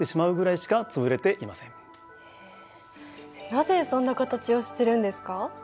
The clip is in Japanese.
なぜそんな形をしてるんですか？